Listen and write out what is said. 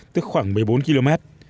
tức khoảng một mươi bốn km